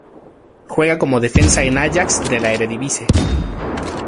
Juega como defensa en Ajax de la Eredivisie.